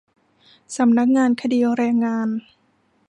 สำนักงานคดีแรงงาน